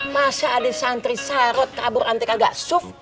masa ada santri sarot kabur antik agak suf